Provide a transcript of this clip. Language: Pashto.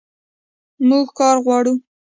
موږ کار غواړو